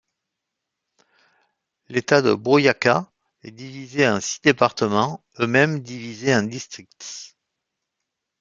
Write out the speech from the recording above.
L'État de Boyacá est divisé en six départements, eux-mêmes divisés en districts.